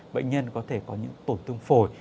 bệnh nhân có thể có những tổn thương phổi